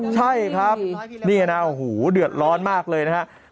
ใช่ครับนี่นะโอ้โหเดือดร้อนมากเลยนะครับ